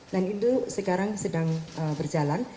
dan itu sekarang sedang berjalan